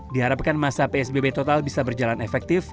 diharapkan masa psbb total bisa berjalan efektif